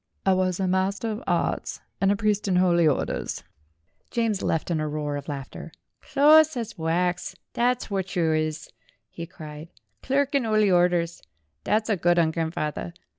"I was a Master of Arts and a priest in Holy Orders." James left in a roar of laughter. "Close as wax, thet's whort you is," he cried. "Clerk in 'Oly Orders ! Thet's a good 'un, grand fawther.